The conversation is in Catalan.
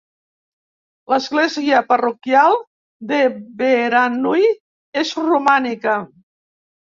L'església parroquial de Beranui és romànica: